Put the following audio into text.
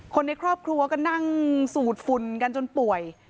คนในครอบครัวก็นั่งสูดฝุ่นกันจนป่วย